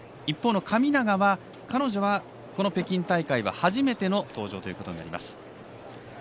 一方の神長彼女は北京大会は初めての登場ということになります。